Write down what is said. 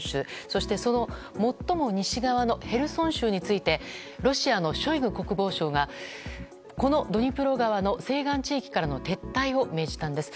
そして、その最も西側のへルソン州についてロシアのショイグ国防相がこのドニプロ川の西岸地域からの撤退を命じたんです。